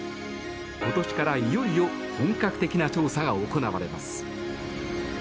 今年からいよいよ本格的な調査が行われます。